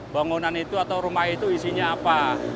bangunan itu atau rumah itu isinya apa